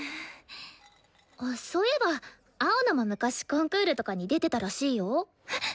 あっそういえば青野も昔コンクールとかに出てたらしいよ。